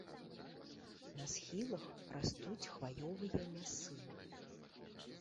На схілах растуць хваёвыя лясы.